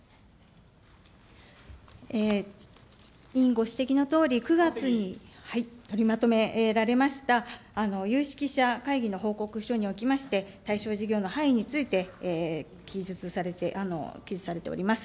委員ご指摘のとおり、９月に取りまとめられました有識者会議の報告書におきまして、対象事業の範囲について、記述されております。